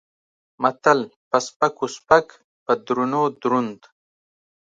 متل: په سپکو سپک په درونو دروند.